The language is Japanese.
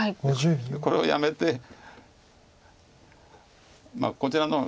これをやめてこちらの方くると。